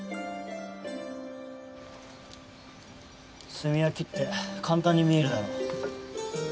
炭焼きって簡単に見えるだろ。